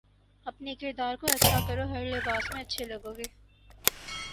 اپنے کردار کو اچھا کرو ہر لباس میں اچھے لگو گے